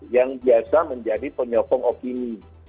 yang biasa menjadi penyokong opini